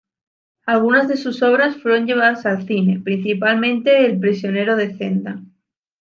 Algunas de sus obras fueron llevadas al cine, principalmente "El prisionero de Zenda".